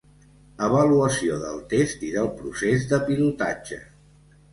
Avaluació del test i del procés de pilotatge.